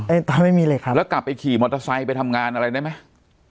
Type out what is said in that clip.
ตาไม่มีเลยครับแล้วกลับไปขี่มอเตอร์ไซค์ไปทำงานอะไรได้ไหม